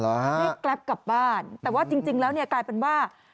ให้แกรปกลับบ้านแต่ว่าจริงแล้วกลายเป็นว่า